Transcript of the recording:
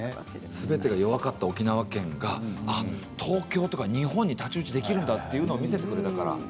すべてが弱かった沖縄県が東京や日本に太刀打ちできるんだということを見せてくれましたからね。